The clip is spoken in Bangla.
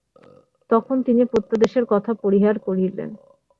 তখন তিনি প্রত্যাদেশের কথা পরিহার করিলেন।